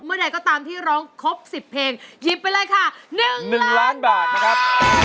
ใดก็ตามที่ร้องครบ๑๐เพลงหยิบไปเลยค่ะ๑๑ล้านบาทนะครับ